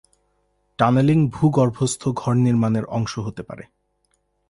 Tunnelling ভূগর্ভস্থ ঘর নির্মাণের অংশ হতে পারে।